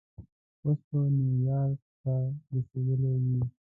اوس به نیویارک ته رسېدلی وې.